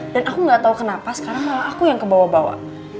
dan aku gak tau kenapa sekarang malah aku yang kebawa bawa